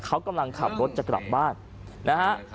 เขากำลังขับรถจะกลับบ้านนะฮะ